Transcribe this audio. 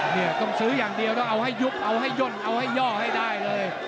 เนี่ยต้องซื้ออย่างเดียวต้องเอาให้ยุบเอาให้ย่นเอาให้ย่อให้ได้เลย